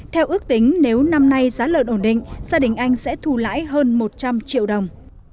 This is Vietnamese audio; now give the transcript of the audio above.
theo ước tính nếu năm nay giá lợn ổn định gia đình anh sẽ thu lãi hơn một trăm linh triệu đồng